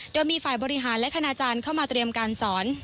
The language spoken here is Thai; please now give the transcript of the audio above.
โดยมีฝ่ายบริหารและคณาจารย์เข้ามาเตรียมการสอน